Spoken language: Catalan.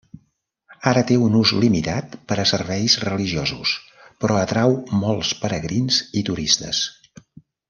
Ara té un ús limitat per a serveis religiosos, però atrau molts pelegrins i turistes.